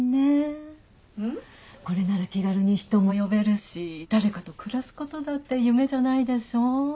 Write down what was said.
これなら気軽に人も呼べるし誰かと暮らすことだって夢じゃないでしょ？